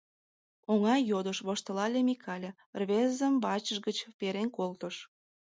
— Оҥай йодыш, — воштылале Микале, рвезым вачыж гыч перен колтыш.